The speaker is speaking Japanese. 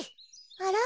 あら？